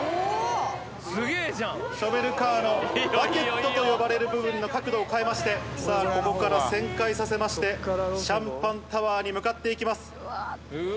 ショベルカーのバケットと呼ばれる部分の角度を変えまして、さあ、ここから旋回させまして、シャンパンタワーに向かっていきます。